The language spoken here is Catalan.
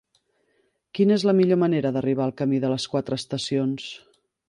Quina és la millor manera d'arribar al camí de les Quatre Estacions?